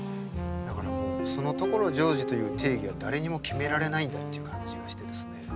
だからもうその所ジョージという定義は誰にも決められないんだっていう感じがしてですね